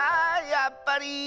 やっぱり。